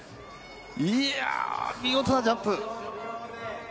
いや、見事なジャンプ！